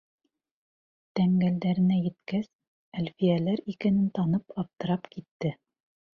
Тәңгәлдәренә еткәс, Әлфиәләр икәнен танып аптырап китте.